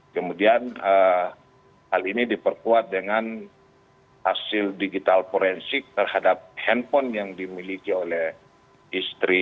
kemudian hal ini diperkuat dengan hasil digital forensik terhadap handphone yang dimiliki oleh istri